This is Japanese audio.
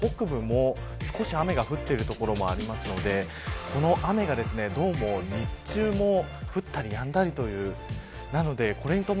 関東地方も茨城辺りの北部も雨が降っている所もあるのでこの雨が、どうも日中も降ったりやんだりという。